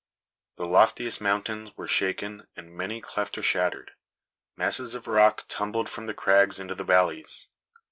The loftiest mountains were shaken, and many cleft or shattered. Masses of rock tumbled from the crags into the valleys.